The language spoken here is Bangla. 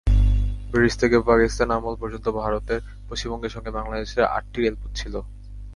ব্রিটিশ থেকে পাকিস্তান আমল পর্যন্ত ভারতের পশ্চিমবঙ্গের সঙ্গে বাংলাদেশের আটটি রেলপথ ছিল।